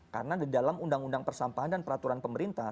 karena di dalam undang undang persampahan dan peraturan pemerintah